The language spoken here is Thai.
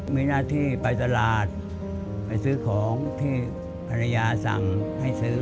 มีหน้าที่ไปตลาดไปซื้อของที่ภรรยาสั่งให้ซื้อ